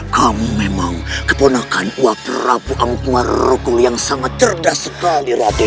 kamu memang keponakan uwak prabu angkumar rukul yang sangat cerdas sekali raden